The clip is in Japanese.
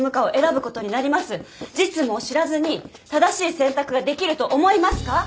実務を知らずに正しい選択ができると思いますか？